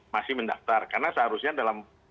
masih mendaftar karena seharusnya dalam